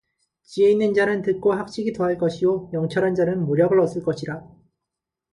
지혜있는 자는 듣고 학식이 더할 것이요 명철한 자는 모략을 얻을 것이라